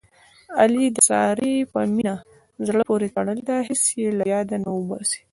علي د سارې مینه زړه پورې تړلې ده. هېڅ یې له یاده نه اوباسي.